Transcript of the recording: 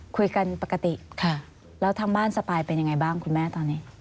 คุยกันปกติแล้วทางบ้านสปายเป็นยังไงบ้างคุณแม่ตอนนี้